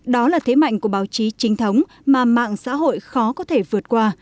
đó là thế mạnh của báo chí trinh thống mà mạng xã hội khó có thể vượt qua